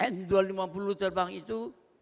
n dua ratus lima puluh terbang itu